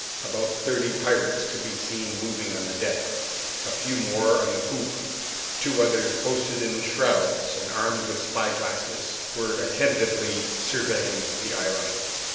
About thirty pirates could be seen moving on the deck. A few more on the poop; two others posted in the shrouds, and armed with spyglasses, were attentively surveying the island.